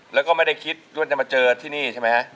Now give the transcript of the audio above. แล้วก็ไม่ได้คิดว่าจะมาเจอที่นี่ใช่ไหมฮะ